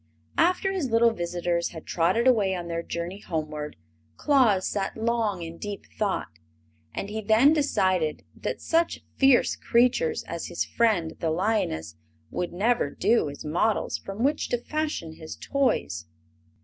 After his little visitors had trotted away on their journey homeward Claus sat long in deep thought. And he then decided that such fierce creatures as his friend the lioness would never do as models from which to fashion his toys.